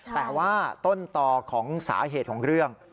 แต่ว่าต้นต่อของสาเหตุของเรื่อง